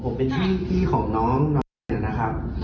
ผมเป็นพี่ของน้องเนี่ยนะครับ